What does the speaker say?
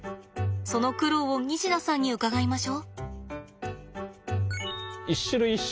その苦労を西田さんに伺いましょ。